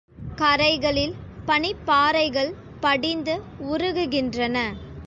கரைகளில் பனிப்பாறைகள் படிந்து, உருகு கின்றன.